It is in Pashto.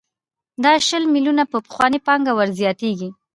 دا شل میلیونه په پخوانۍ پانګه ورزیاتېږي